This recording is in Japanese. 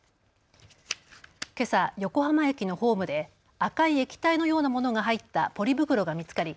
けさ横浜駅のホームで赤い液体のようなものが入ったポリ袋が見つかり